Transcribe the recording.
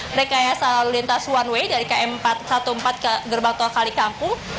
mereka ya lalu lintas one way dari km empat belas ke gerbang tol kalikampung